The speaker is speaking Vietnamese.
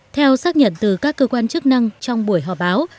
theo xác nhận từ các cơ quan chức năng trong buổi họp báo